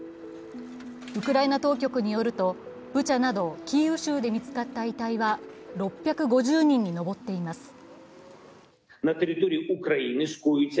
ウクライナ当局によると、ブチャなどキーウ州で見つかった遺体は６５０人に上っています。